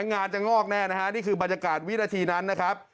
งานจะงอกแน่นะฮะนี่คือบรรยากาศวินาทีนั้นนะครับ